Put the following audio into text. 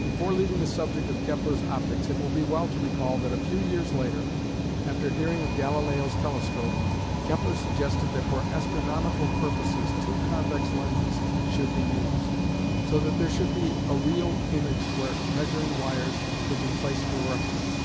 Before leaving the subject of Kepler's optics it will be well to recall that a few years later after hearing of Galileo's telescope, Kepler suggested that for astronomical purposes two convex lenses should be used, so that there should be a real image where measuring wires could be placed for reference.